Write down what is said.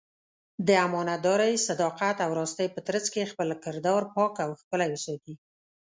د امانتدارۍ، صداقت او راستۍ په ترڅ کې خپل کردار پاک او ښکلی وساتي.